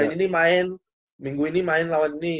ini main minggu ini main lawan ini